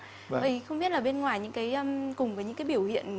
mình không biết là bên ngoài những cái cùng với những cái biểu hiện